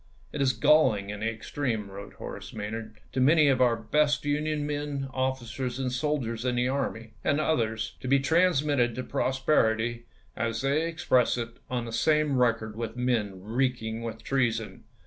" It is galling in the extreme," wi^ote Horace Maj nard, " to many of our best Union men, officers, and sol diers in the army, and others, to be transmitted to posterity, as they express it, on the same record with men reeking with treason."